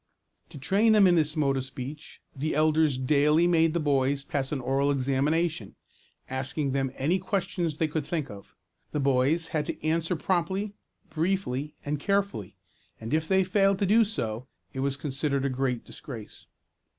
To train them in this mode of speech, the elders daily made the boys pass an oral examination, asking them any questions they could think of. The boys had to answer promptly, briefly, and carefully; and if they failed to do so, it was considered a great disgrace.